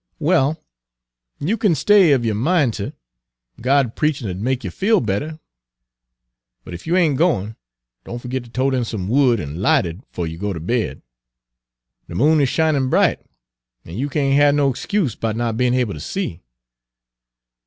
Page 223 "Well, you kin stay of you mineter. Good preachin' 'u'd make you feel better, but ef you ain't gwine, don' fergit ter tote in some wood an' lighterd 'fo' you go ter bed. De moon is shinin' bright, an' you can't have no 'scuse 'bout not bein' able ter see."